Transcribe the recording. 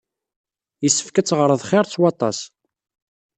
Yessefk ad teɣreḍ xir s waṭas.